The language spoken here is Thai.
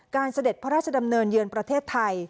เสด็จพระราชดำเนินเยือนประเทศไทย